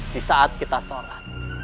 di saat kita sholat